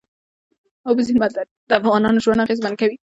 اوبزین معدنونه د افغانانو ژوند اغېزمن کوي.